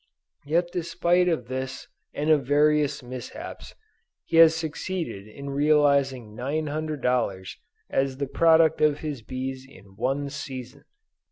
Yet despite of this and of various mishaps, he has succeeded in realizing 900 dollars as the product of his bees in one season!